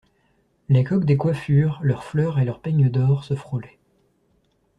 Les coques des coiffures, leurs fleurs et leurs peignes d'or se frôlaient.